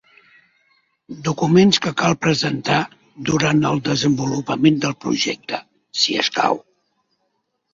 Documents que cal presentar durant el desenvolupament del projecte, si escau.